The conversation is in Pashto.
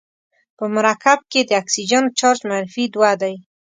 په مرکب کې د اکسیجن چارج منفي دوه دی.